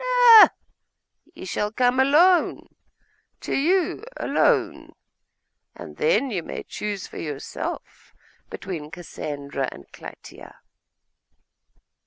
No, he shall come alone to you alone; and then you may choose for yourself between Cassandra and Clytia....